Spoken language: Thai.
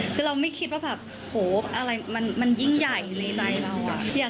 คือเราไม่คิดว่าแบบโหอะไรมันยิ่งยากเลย